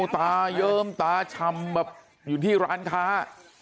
ตาเยิ้มตาชำแบบอยู่ที่ร้านค้า